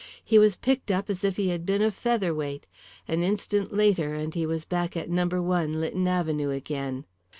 He was picked up as if he had been a feather weight. An instant later and he was back at No. 1, Lytton Avenue, again.